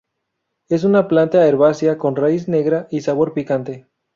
Es una planta herbácea con raíz negra y sabor picante.